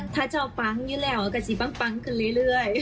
ถ้าเจ้าฟังอยู่แล้วกระจีบปั๊งขึ้นเรื่อย